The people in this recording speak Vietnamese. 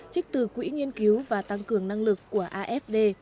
trích từ quỹ nghiên cứu và tăng cường năng lực của afd